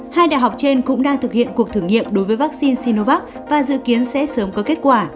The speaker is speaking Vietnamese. hai đại học trên cũng đang thực hiện cuộc thử nghiệm đối với vaccine sinovac và dự kiến sẽ sớm có kết quả